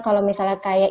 kalau misalnya kayak